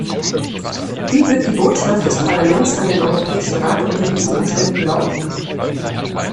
Wie wird die Botschaft des Parlaments an den Europäischen Rat unter diesen Umständen lauten?